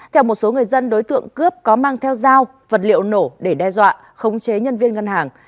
theo một số người dân đối tượng cướp có mang theo dao vật liệu nổ để đe dọa khống chế nhân viên ngân hàng